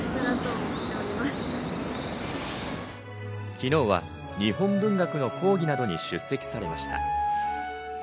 昨日は日本文学の講義などに出席されました。